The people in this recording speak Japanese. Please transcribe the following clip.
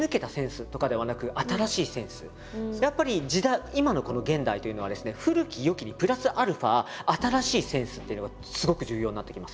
やっぱり今のこの現代というのはですね古きよきにプラスアルファ新しいセンスっていうのがすごく重要になってきます。